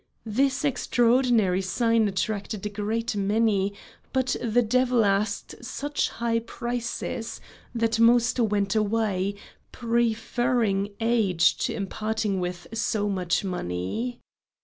This extraordinary sign attracted a great many, but the devil asked such high prices that most went away, preferring age to parting with so much money.